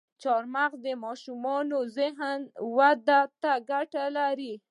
چارمغز د ماشومانو ذهني ودې ته ګټه لري.